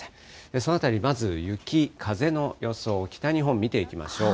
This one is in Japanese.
そのあたり、まず雪、風の予想、北日本、見ていきましょう。